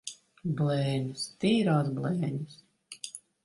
Blēņas! Tīrās blēņas!